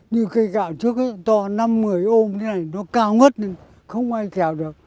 như cây gạo trước đó to năm người ôm như thế này nó cao mất không ai treo được